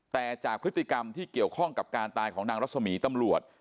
แต่จากพฤติกรรมที่เกี่ยวข้องกับการตายของนางรัศมีตำรวจ